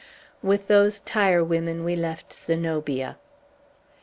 With those tire women we left Zenobia.